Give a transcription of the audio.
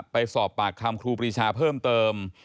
ไปสอบปากคำครูปรีชาเพิ่มเติม